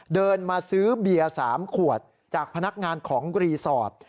เดินมาซื้อเบียร์๓ขวดจากพนักงานของรีสอร์ท